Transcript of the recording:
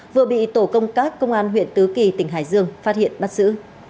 vừa bị tổ công tác công an huyện tứ kỳ tỉnh hải dương phát hiện bắt giữ